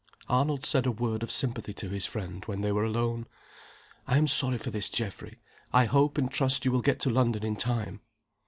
Arnold said a word of sympathy to his friend, when they were alone. "I am sorry for this, Geoffrey. I hope and trust you will get to London in time."